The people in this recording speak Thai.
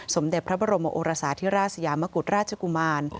สมเด็จพระบรมโอรสาธิราชสยามกุฎราชกุมาร